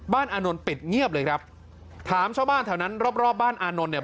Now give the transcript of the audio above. อานนท์ปิดเงียบเลยครับถามชาวบ้านแถวนั้นรอบรอบบ้านอานนท์เนี่ย